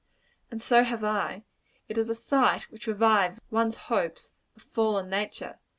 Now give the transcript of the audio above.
And so have I. It is a sight which revives one's hopes of fallen nature.